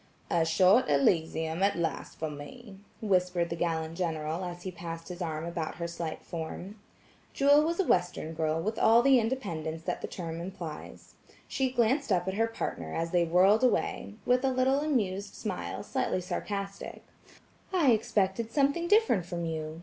"A short Elysium at last for me," whispered the gallant General as he passed his arm about her slight form. Jewel was a Western girl with all the independence that the term implies. She glanced up at her partner, as they whirled away, with a little amused smile slightly sarcastic; "I expected something different from you.